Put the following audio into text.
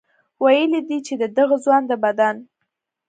ویلي دي چې د دغه ځوان د بدن